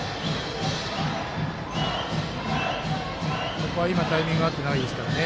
ここは今タイミング合ってないですからね。